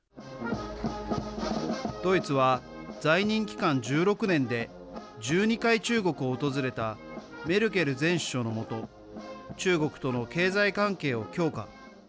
ドイツは在任期間１６年で１２回、中国を訪れたメルケル前首相の下中国との経済関係を強化。